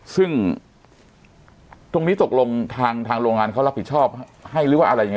ซึ่งตรงนี้ตกลงทางโรงงานเขารับผิดชอบให้หรือว่าอะไรยังไง